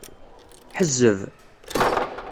Ḥezzeb.